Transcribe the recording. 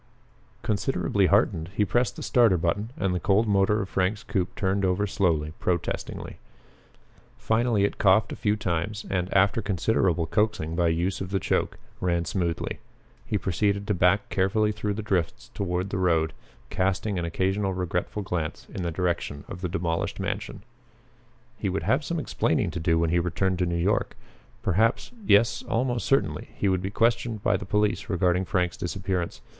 Considerably heartened, he pressed the starter button and the cold motor of Frank's coupe turned over slowly, protestingly. Finally it coughed a few times, and, after considerable coaxing by use of the choke, ran smoothly. He proceeded to back carefully through the drifts toward the road, casting an occasional regretful glance in the direction of the demolished mansion. He would have some explaining to do when he returned to New York. Perhaps yes, almost certainly, he would be questioned by the police regarding Frank's disappearance.